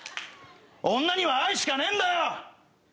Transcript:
女には愛しかねえんだよ！